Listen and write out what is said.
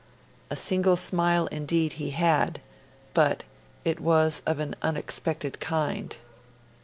A single smile, indeed, he had, but it was of an unexpected kind.